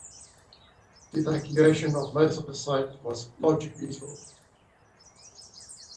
The evacuation of most of the site was largely peaceful.